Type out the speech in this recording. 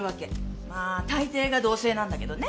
まあ大抵が同性なんだけどね。